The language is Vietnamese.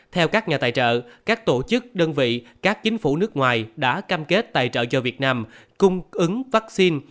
theo các nhà tài trợ các tổ chức đơn vị các chính phủ nước ngoài đã cam kết tài trợ cho việt nam cung ứng vaccine